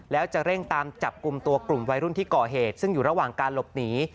แล้วจะเร่งตามจับกลุ่มตัวกลุ่มวัยรุ่นที่ก่อเหตุซึ่งอยู่ระหว่างการหลบหนี